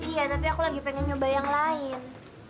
iya tapi aku lagi pengen nyoba yang lain